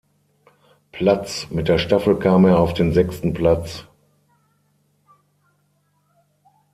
Platz, mit der Staffel kam er auf den sechsten Platz.